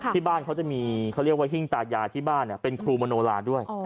ที่บ้านเขาจะมีเขาเรียกว่าหิ้งตายาที่บ้านเป็นครูมโนลาด้วย